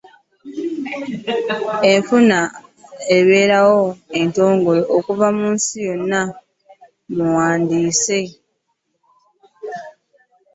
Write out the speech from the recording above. N'afuna ebbaluwa entongole eva wano nga si muwandiise.